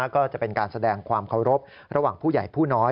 ก็จะเป็นการแสดงความเคารพระหว่างผู้ใหญ่ผู้น้อย